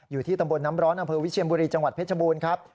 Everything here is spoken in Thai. อยู่ที่ตำบลน้ำร้อนอำเภอวิเชียนบุรีจังหวัดเพชรบูรณ์ครับ